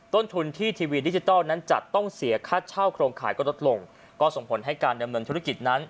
ต้นทุนที่ทีวีดิจิทัลนั้นจัดต้องเสียค่าเช่าโครงข่ายก็ลดลงก็ส่งผลให้การดำเนินธุรกิจนั้น